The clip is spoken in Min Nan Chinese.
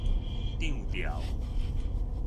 漲潮